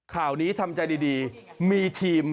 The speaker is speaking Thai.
ข่าวนี้ทำใจดีมีทีม